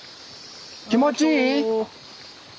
気持ちいい？